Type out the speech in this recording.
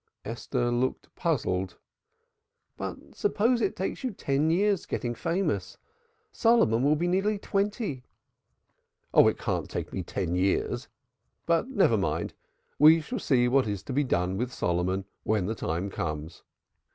Esther looked puzzled. "Oh, but suppose it takes you ten years getting famous! Solomon will be nearly twenty." "It can't take me ten years. But never mind! We shall see what is to be done with Solomon when the time comes.